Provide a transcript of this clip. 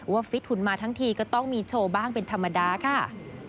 ฟิตหุ่นมาทั้งทีก็ต้องมีโชว์บ้างเป็นธรรมดาค่ะ